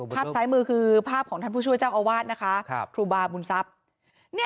ภาพซ้ายมือคือภาพของท่านผู้ช่วยเจ้าอาวาสนะคะครูบาบุญทรัพย์